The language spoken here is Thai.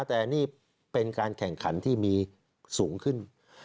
แต่นี่เป็นการแข่งขันที่มีสูงขึ้น